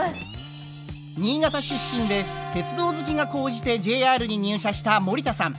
新潟出身で鉄道好きが高じてＪＲに入社した森田さん。